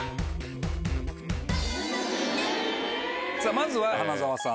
まずは花澤さん。